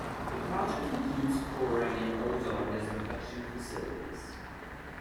The project includes chlorine and ozone disinfection facilities.